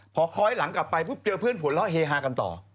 พอคอยหลังกลับไปเจอเพื่อนผลเล่าเฮฮากันต่อ